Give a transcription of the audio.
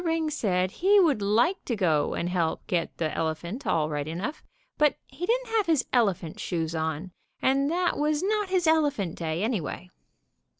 Ring said he would like to go and help get the elephant all right ELEPHANT HUNTING IN WISCONSIN 127 enough, but he didn't have his elephant shoes on, and that was not his elephant day, anyway.